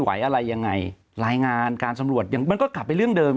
ไหวอะไรยังไงรายงานการสำรวจอย่างมันก็กลับไปเรื่องเดิม